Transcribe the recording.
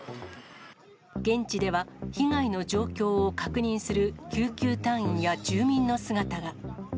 現地では、被害の状況を確認する救急隊員や住民の姿が。